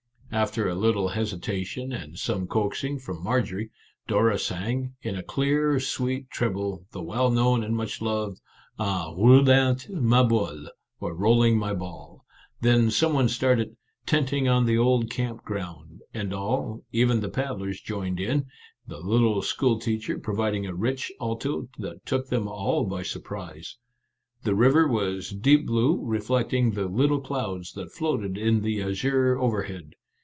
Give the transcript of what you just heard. After a little hes itation and some coaxing from Marjorie, Dora sang, in a clear, sweet treble, the well known and much loved " En Roulant ma Boule "(" Rolling My Ball"). Then some one started " Tenting on the Old Camp Ground," and all, even the paddlers, joined in, the little school teacher providing a rich alto that took them all by surprise. The river was deep blue, reflecting the lit tle clouds that floated in the azure overhead.